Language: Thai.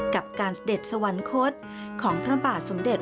กับการเสด็จสวรรคตของพระบาทสมเด็จ